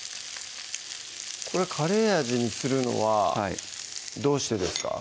これカレー味にするのはどうしてですか？